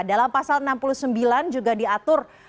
dalam pasal enam puluh sembilan juga diatur